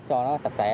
cho nó sạch sẽ